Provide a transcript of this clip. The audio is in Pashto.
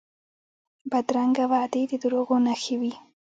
بدرنګه وعدې د دروغو نښه وي